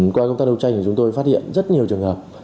qua công ty đấu tranh chúng tôi phát hiện rất nhiều trường hợp